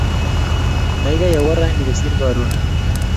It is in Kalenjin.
kaikai awo raini kosir karon.